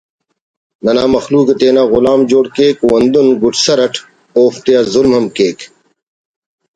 ننا مخلوق ءِ تینا غلام جوڑ کیک و ہندن گڈسر اٹ اوفتیا ظلم ہم کیک